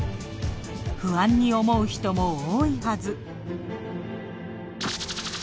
不安に思う人も多いはず。